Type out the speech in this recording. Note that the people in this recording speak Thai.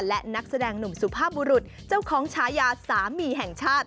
และนักแสดงหนุ่มสุภาพบุรุษเจ้าของฉายาสามีแห่งชาติ